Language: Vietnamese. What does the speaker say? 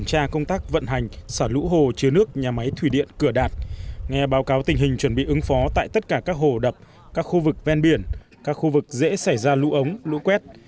sau tình hình chuẩn bị ứng phó tại tất cả các hồ đập các khu vực ven biển các khu vực dễ xảy ra lũ ống lũ quét